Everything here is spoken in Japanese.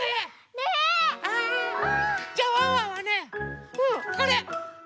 ねえ。じゃあワンワンはねこれ。